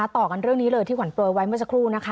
ต่อกันเรื่องนี้เลยที่ขวัญโปรยไว้เมื่อสักครู่นะคะ